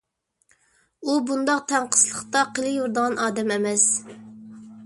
ئۇ بۇنداق تەڭقىسلىقتا قېلىۋېرىدىغان ئادەم ئەمەس.